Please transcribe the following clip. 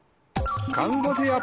カンボジア。